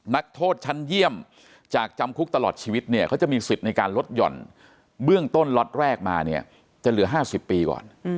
นักโทษชั้นเยี่ยมจากจำคุกตลอดชีวิตเนี่ยเขาจะมีสิทธิ์ในการลดหย่อนเบื้องต้นล็อตแรกมาเนี่ยจะเหลือ๕๐ปีก่อน